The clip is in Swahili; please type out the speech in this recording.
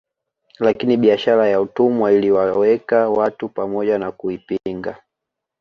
Lakini biashara ya utumwa iliwaweka watu pamoja na kuipinga